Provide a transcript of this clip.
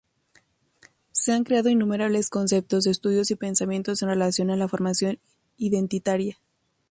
Se han creado innumerables conceptos, estudios y pensamientos en relación a la formación identitaria.